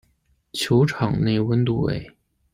球场内温度为。